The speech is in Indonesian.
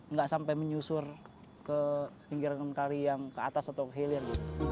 nggak sampai menyusur ke pinggir pinggir yang ke atas atau hilir